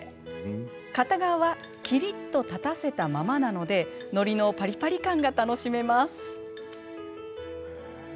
片側はきりっと立たせたままなのでのりのパリパリ感が楽しめます。